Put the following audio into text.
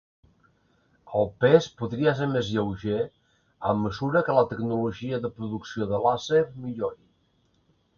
El pes podria ser més lleuger a mesura que la tecnologia de producció de làser millori.